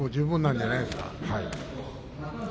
稽古十分なんじゃないですか？